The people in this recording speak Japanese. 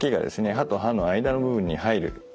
歯と歯の間の部分に入るように。